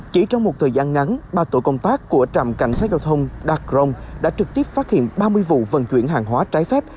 chỉ trong một thời gian ngắn ba tổ công tác của trạm cảnh sát giao thông đạc rồng đã trực tiếp phát hiện ba mươi vụ vận chuyển hàng hóa trái phép